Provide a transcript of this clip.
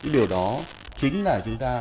điều đó chính là chúng ta